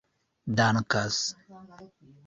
dankas